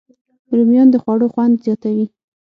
رومیان د خوړو خوند زیاتوي